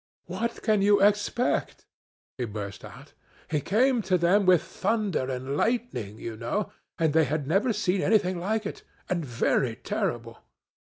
'What can you expect?' he burst out; 'he came to them with thunder and lightning, you know and they had never seen anything like it and very terrible.